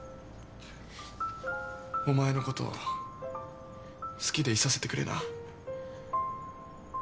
お前のことを好きでいさせてくれな。